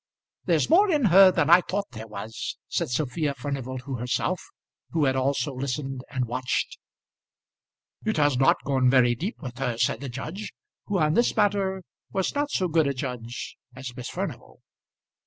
"There's more in her than I thought there was," said Sophia Furnival to herself, who had also listened and watched. "It has not gone very deep, with her," said the judge, who on this matter was not so good a judge as Miss Furnival.